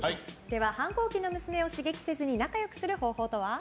反抗期の娘を刺激せずに仲良くする方法とは？